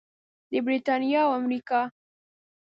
د بریتانیا او امریکا.